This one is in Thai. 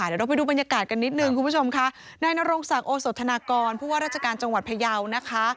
เดี๋ยวเราไปดูบรรยากาศกันนิดนึงคุณผู้ชมค่ะนายนรงศักดิ์โอโสธนากรผู้ว่าราชการจังหวัดพยาวนะคะ